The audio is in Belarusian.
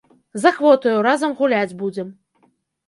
З ахвотаю, разам гуляць будзем.